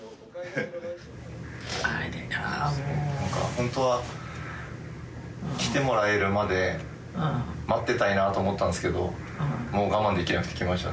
ホントは来てもらえるまで待ってたいと思ったんですけどもう我慢できなくて来ました。